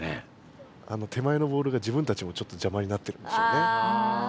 手前のボールが自分たちもちょっとじゃまになってるんでしょうね。